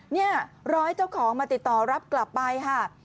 นี่ร้อยเจ้าของมาติดต่อรับกลับไปค่ะ